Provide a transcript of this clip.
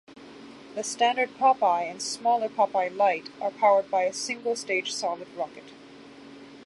The standard Popeye and smaller Popeye-Lite are powered by a single-stage solid rocket.